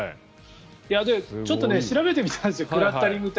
ちょっと調べてみたんですクラッタリングって